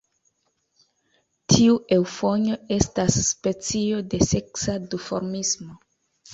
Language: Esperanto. Tiu eŭfonjo estas specio de seksa duformismo.